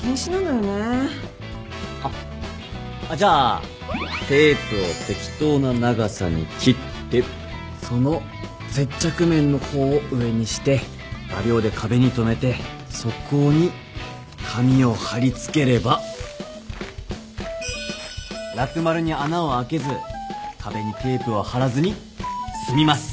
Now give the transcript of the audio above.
あっあっじゃあテープを適当な長さに切ってその接着面の方を上にして画びょうで壁に留めてそこに紙を貼り付ければラク丸に穴を開けず壁にテープを貼らずに済みます